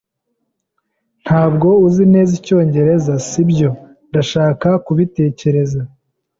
"Ntabwo uzi neza icyongereza, si byo?" "Ndashaka kubitekereza."